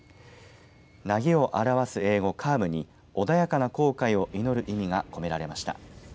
なぎを表す英語、カームに穏やかな航海を祈る意味が込められました。